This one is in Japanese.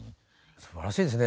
すばらしいですね。